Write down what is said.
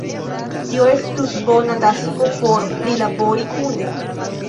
tio estus bona tasko por prilabori kune.